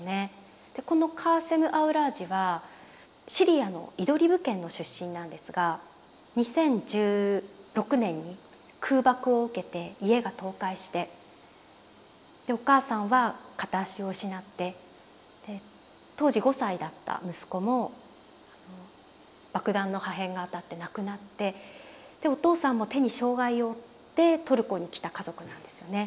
このカーセム・アウラージはシリアのイドリブ県の出身なんですが２０１６年に空爆を受けて家が倒壊してでお母さんは片足を失って当時５歳だった息子も爆弾の破片が当たって亡くなってでお父さんも手に障害を負ってトルコに来た家族なんですよね。